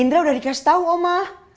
indra udah dikasih tahu oma